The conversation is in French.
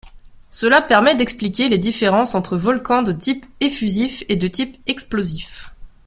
Cela permet d'expliquer les différences entre volcans de type effusif et de type explosif.